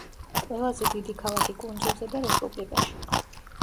ყველაზე დიდი ქალაქი კუნძულზე და რესპუბლიკაში.